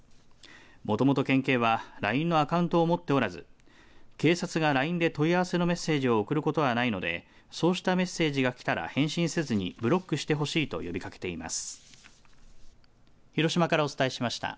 もともと県警は、ＬＩＮＥのアカウントを持っておらず警察がＬＩＮＥで問い合わせのメッセージを送ることはないのでそうしたメッセージが来たら返信せずにブロックしてほしいと呼びかけています。